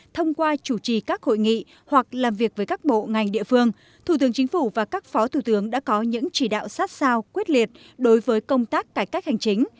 thông qua chủ trì các hội nghị hoặc làm việc với các bộ ngành địa phương thủ tướng chính phủ và các phó thủ tướng đã có những chỉ đạo sát sao quyết liệt đối với công tác cải cách hành chính